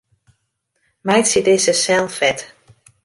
Meitsje dizze sel fet.